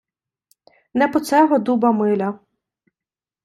Не по цего дуба миля.